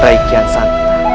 raimu kian santa